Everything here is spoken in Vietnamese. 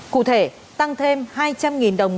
cụ thể tăng thêm hai trăm linh đồng